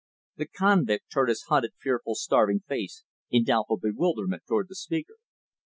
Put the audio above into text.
The convict turned his hunted, fearful, starving face in doubtful bewilderment toward the speaker.